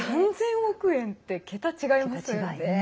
３０００億円って桁違いますよね。